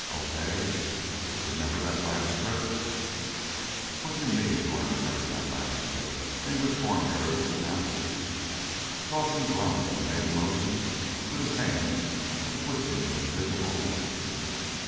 Okay. Remember that last trip?" "What do you mean, do I remember that last trip?" the English born air ace asked. Dawson groaned and made the motions with his hands of twisting an invisible neck.